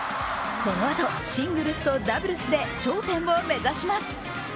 このあとシングルスとダブルスで頂点を目指します。